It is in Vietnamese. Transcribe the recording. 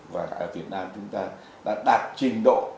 và ở việt nam chúng ta đã đạt trình độ